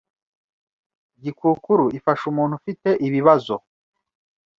Gikukuru ifasha umuntu ufite ibibazo